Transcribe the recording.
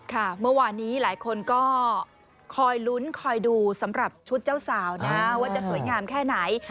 เมื่อวานนี้หลายคนก็คอยลุ้นคอยดูสำหรับชุดเจ้าสาวนะว่าจะสวยงามแค่ไหน